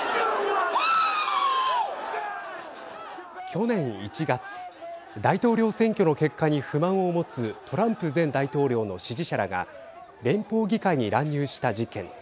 去年１月大統領選挙の結果に不満を持つトランプ前大統領の支持者らが連邦議会に乱入した事件。